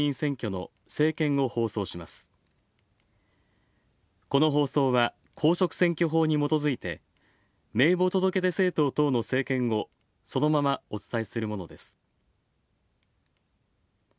この放送は公職選挙法にもとづいて名簿届出政党等の政見をそのままお伝えするものです。